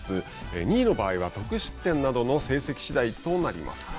２位の場合は、得失点などの成績次第となります。